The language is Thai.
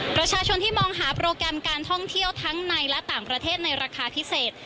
ประชาชนที่มองหาโปรแกรมการท่องเที่ยวทั้งในและต่างประเทศในราคาพิเศษ